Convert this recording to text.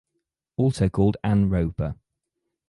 Also called Anne Roper.